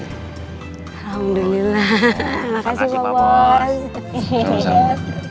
alhamdulillah terima kasih bapak